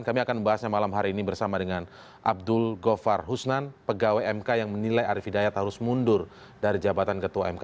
kami akan membahasnya malam hari ini bersama dengan abdul govar husnan pegawai mk yang menilai arief hidayat harus mundur dari jabatan ketua mk